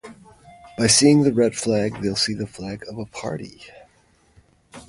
By seeing the red flag, they'll see the flag of a party!